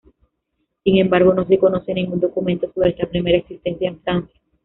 Sin embargo, no se conoce ningún documento sobre esta primera existencia en Francia.